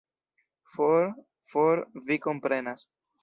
For, for, vi komprenas.